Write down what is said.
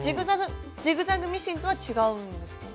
ジグザグミシンとは違うんですか？